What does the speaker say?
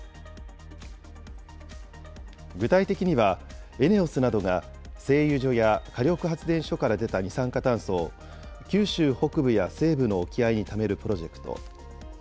具体的には、ＥＮＥＯＳなどが製油所や火力発電所から出た二酸化炭素を、九州北部や西部の沖合にためるプロジェクト。